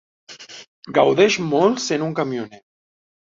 Gaudeix molt sent un camioner.